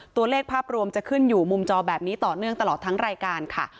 ภาพรวมจะขึ้นอยู่มุมจอแบบนี้ต่อเนื่องตลอดทั้งรายการค่ะ